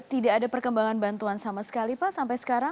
tidak ada perkembangan bantuan sama sekali pak sampai sekarang